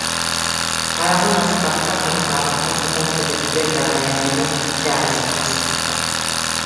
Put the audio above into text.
Хараҕын аспакка, хамсаабакка сытан, төбөтүгэр бэҕэһээҥҥини дьаарыстыы сытта